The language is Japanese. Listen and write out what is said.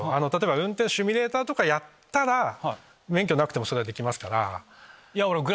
運転シミュレーターとか免許なくてもできますから。